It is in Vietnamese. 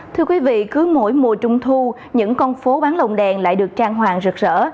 thưa quý vị cứ mỗi mùa trung thu những con phố bán lồng đèn lại được trang hoàng rực rỡ